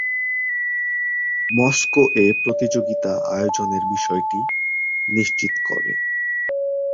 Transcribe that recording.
Moscow এ প্রতিযোগিতা আয়োজনের বিষয়টি নিশ্চিত করে।